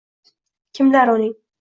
Kimlar uning